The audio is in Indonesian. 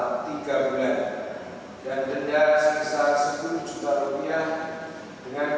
dan dendam sekitar sepuluh juta rupiah dengan ketentuan apabila pidana tersebut tidak dibayar